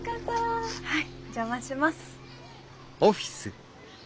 はいお邪魔します。